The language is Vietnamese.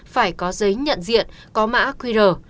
phải có giấy nhận diện có mã qr